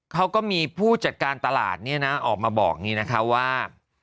เขาก็มีผู้จัดการตลาดออกมาบอกว่า